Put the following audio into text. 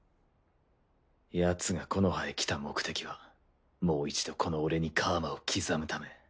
ヤツが木ノ葉へ来た目的はもう一度この俺に楔を刻むため。